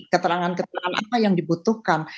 keterangan keterangan apa yang dibutuhkan